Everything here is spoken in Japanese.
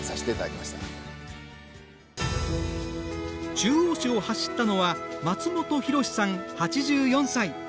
中央市を走ったのは松本弘さん、８４歳。